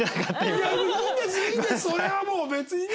それはもう別にね。